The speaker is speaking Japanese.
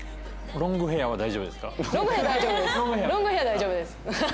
ロングヘア大丈夫です。